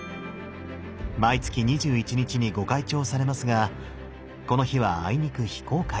毎月２１日にご開帳されますがこの日はあいにく非公開。